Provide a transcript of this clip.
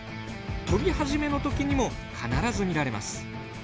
飛び始めの時にも必ず見られます。